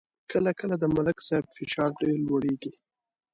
کله کله د ملک صاحب فشار ډېر لوړېږي.